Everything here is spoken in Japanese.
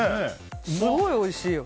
すごいおいしいよ。